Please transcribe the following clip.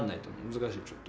難しいちょっと。